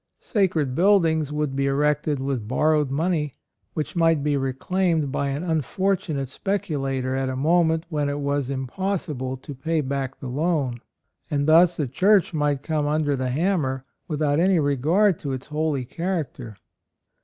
Sacred buildings would be erected with borrowed money, which might be reclaimed by an unfortunate speculator at a moment when it was im possible to pay back the loan; and thus a church might come under the hammer, without any regard to its holy character.